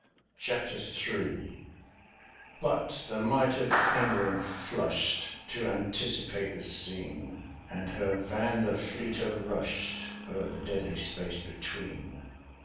Chapter III The might of England flush'd To anticipate the same; And her van the fleeter rush'd O'er the deadly space between.